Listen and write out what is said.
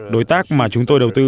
đối tác mà chúng tôi đầu tư